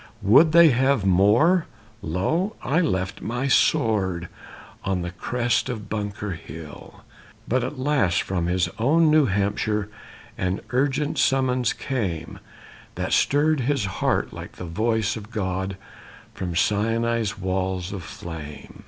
Would they have more? Lo, I left my sword On the crest of Bunker Hill." But at last from his own New Hampshire An urgent summons came, That stirred his heart like the voice of God From Sinai's walls of flame.